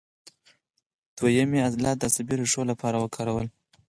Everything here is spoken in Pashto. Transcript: دوهیم یې عضلات د عصبي ریښو لپاره وکارول.